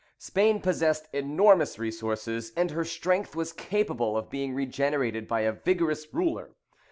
Spain possessed enormous resources, and her strength was capable of being regenerated by a vigorous ruler.